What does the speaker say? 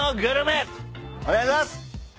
お願いします。